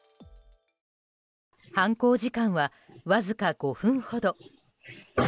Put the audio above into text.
犯行時間はわずか５分ほど。